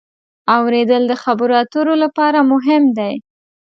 اورېدل د خبرو اترو لپاره مهم دی.